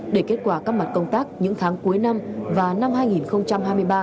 để kết quả các mặt công tác những tháng cuối năm và năm hai nghìn hai mươi ba